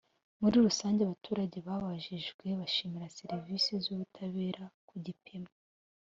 Muri rusange abaturage babajijwe bashima serivisi z ubutabera ku gipimo